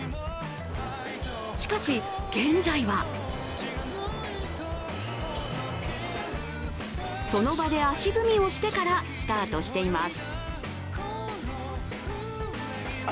しかし、現在はその場で足踏みをしてからスタートしています。